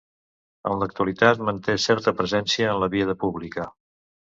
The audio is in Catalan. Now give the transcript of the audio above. En l'actualitat manté certa presència en la vida pública.